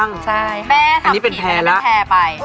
แม่ทำผิดแล้วเป็นแพร่ไปอันนี้เป็นแพร่แล้ว